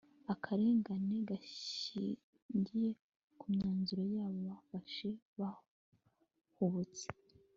akarengane gashingiye ku myanzuro yabo bafashe bahubutse